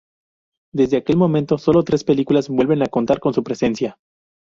Desde aquel momento sólo tres películas vuelven a contar con su presencia.